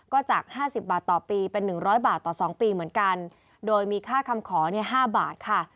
ก็จากห้าสิบบาทต่อปีเป็น๑๐๐บาทต่อ๒ปีเหมือนกันโดยมีค่าคำขอเนี่ย๕บาทค่ะ